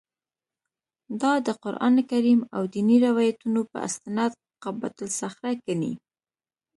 دا د قران کریم او دیني روایتونو په استناد قبه الصخره ګڼي.